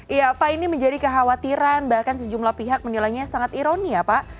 iya pak ini menjadi kekhawatiran bahkan sejumlah pihak menilainya sangat ironi ya pak